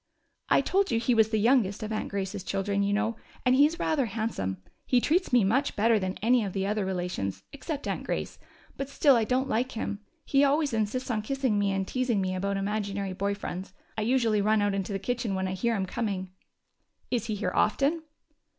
"I told you he was the youngest of Aunt Grace's children, you know, and he's rather handsome. He treats me much better than any of the other relations, except Aunt Grace, but still I don't like him. He always insists on kissing me and teasing me about imaginary boy friends. I usually run out into the kitchen when I hear him coming." "Is he here often?"